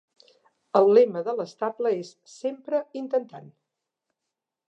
El lema de l'estable és "Sempre intentant".